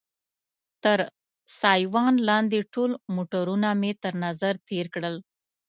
تر سایوان لاندې ټول موټرونه مې تر نظر تېر کړل.